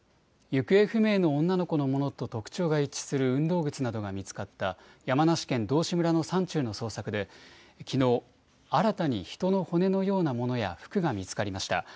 行方不明の女の子のものと特徴が一致する運動靴などが見つかった、山梨県道志村の山中の捜索で、きのう、新たに人の骨のようなものや、服が見つかりました。